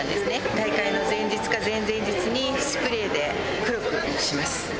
大会の前日か前々日にスプレーで黒くします。